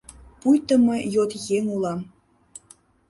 Пуйто мый йот еҥ улам.